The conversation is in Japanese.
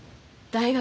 大学？